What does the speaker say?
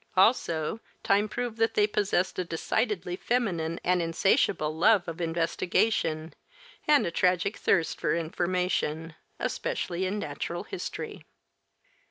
Also, time proved that they possessed a decidedly feminine and insatiable love of investigation and a tragic thirst for information, especially in natural history.